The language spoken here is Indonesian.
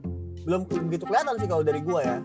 belum begitu kelihatan sih kalau dari gue ya